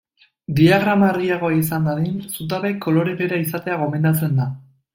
Diagrama argiagoa izan dadin zutabeek kolore bera izatea gomendatzen da.